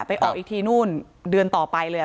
ออกอีกทีนู่นเดือนต่อไปเลย